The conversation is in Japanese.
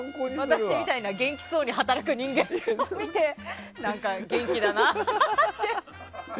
私みたいな元気そうに働く人間を見て何か、元気だなって。